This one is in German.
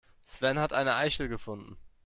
Sven hat eine Eichel gefunden.